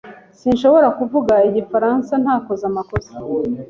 Sinshobora kuvuga Igifaransa ntakoze amakosa.